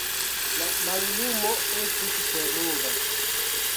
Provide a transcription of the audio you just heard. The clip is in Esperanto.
La mallumo estis terura.